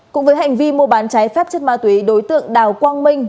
cũng với hành vi mua bán cháy phép chất ma túy đối tượng đào quang minh